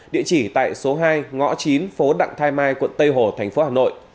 địa chỉ tại số hai ngõ chín phố đặng thái mai quận tây hồ thành phố hà nội